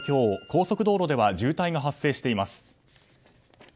高速道路では渋滞が発生しています。